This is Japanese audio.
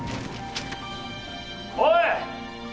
おい！